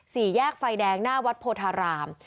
สี่แยกไฟแดงหน้าวัดโพธาราม